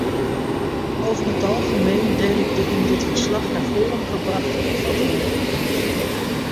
Over het algemeen deel ik de in dit verslag naar voren gebrachte opvattingen.